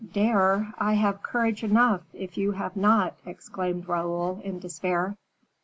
"Dare! I have courage enough, if you have not," exclaimed Raoul, in despair.